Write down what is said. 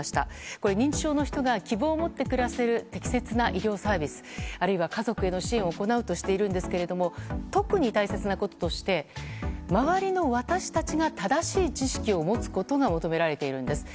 これ、認知症の人が希望を持って暮らせる適切な医療サービスあるいは家族への支援を行うとしているんですが特に大切なこととして周りの私たちが正しい知識を持つことが求められているんです。